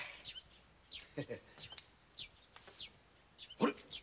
あれ？